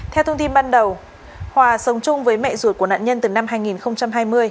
theo thông tin ban đầu hòa sống chung với mẹ ruột của nạn nhân từ năm hai nghìn hai mươi